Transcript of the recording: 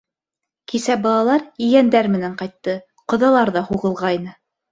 Кисә балалар, ейәндәр менән ҡайтты, ҡоҙалар ҙа һуғылғайны.